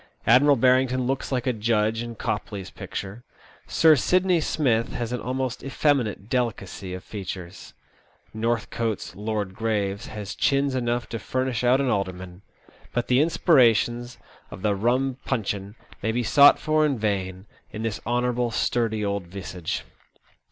Admiral Barrington looks like a judge in Copley's picture. Sir Sidney Smith has an almost effeminate delicacy of features. Northcote's Lord Graves has china enough to furnish out an alderman ; but the inspirations of the rum puncheon may be sought for in vain in this THE OLD SEA DOG. 107 honourable, sturdy old visage.